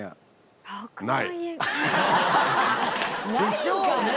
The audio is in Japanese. でしょうね！